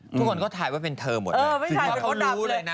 ทุกคนก็ถ่ายว่าเป็นเธอหมดเลย